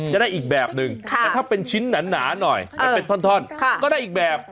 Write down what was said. ได้อีกแบบนึงแต่ถ้าเป็นชิ้นหนาหน่อยเป็นท่อนก็ได้อีกแบบ